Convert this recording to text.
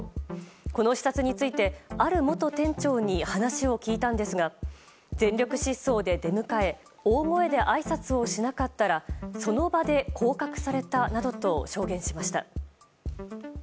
この視察について、ある元店長に話を聞いたんですが全力疾走で出迎え大声であいさつをしなかったらその場で降格されたなどと証言しました。